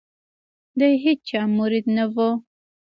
د هیچا مرید نه وو.